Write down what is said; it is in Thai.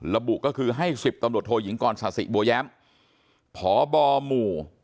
ระบุก็คือให้๑๐ตำรวจโทยิงกรศาสิบัวแย้มพบหมู่